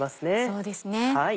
そうですね。